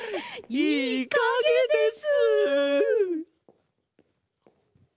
いいかげです。